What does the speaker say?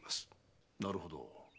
なるほど。